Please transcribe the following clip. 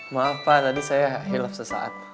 maaf pak tadi saya hilaf sesaat